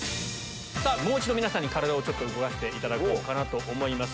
もう一度皆さんに体を動かしていただこうと思います。